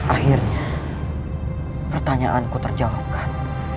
akhirnya pertanyaanku terjawabkan